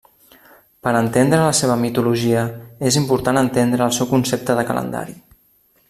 Per entendre la seva mitologia, és important entendre el seu concepte de calendari.